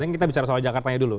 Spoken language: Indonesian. ini kita bicara soal jakartanya dulu